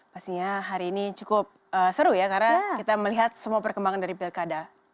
pastinya hari ini cukup seru ya karena kita melihat semua perkembangan dari pilkada